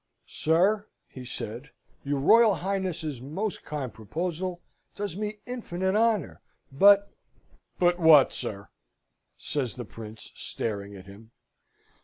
"Sir," he said, "your Royal Highness's most kind proposal does me infinite honour, but " "But what, sir?" says the Prince, staring at him.